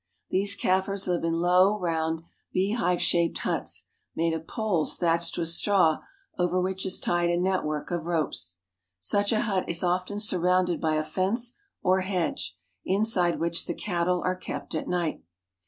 These Kaffirs live in low, round, beehive shaped huts, made of poles thatched with straw over which is tied a network of ropes. Such a hut is often surrounded by a fence or hedge, inside which the cattle are kept at night.